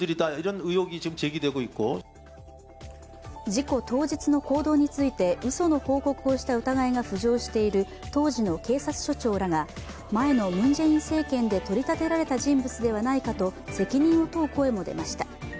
事故当日の行動について、うその報告をした疑いが浮上している当時の警察署長らが、前のムン・ジェイン政権で取り立てられた人物ではないかと責任を問う声も出ました。